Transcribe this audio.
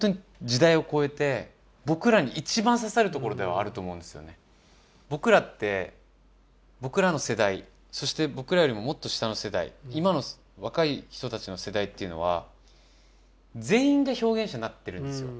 あの時にこそ僕らって僕らの世代そして僕らよりももっと下の世代今の若い人たちの世代というのは全員で表現者になってるんですよ。